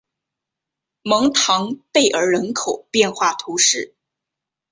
蒙唐贝尔人口变化图示